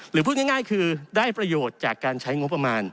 พูดง่ายคือได้ประโยชน์จากการใช้งบประมาณ